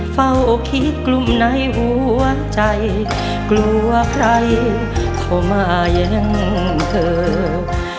เฝ้าคิดกลุ่มในหัวใจกลัวใครเข้ามาแย่งเธอ